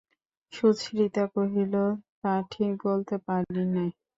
সুচরিতা কহিল, তা ঠিক বলতে পারি নে।